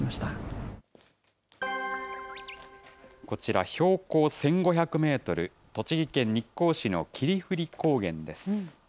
こちら、標高１５００メートル、栃木県日光市の霧降高原です。